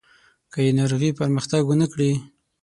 که یې ناروغي پرمختګ ونه کړي.